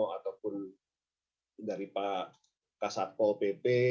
ataupun dari pak kasatpol pp